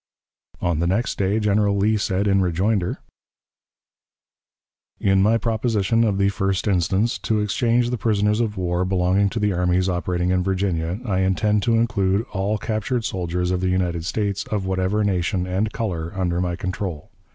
On the next day General Lee said, in rejoinder: "In my proposition of the 1st inst., to exchange the prisoners of war belonging to the armies operating in Virginia, I intended to include all captured soldiers of the United States, of whatever nation and color, under my control.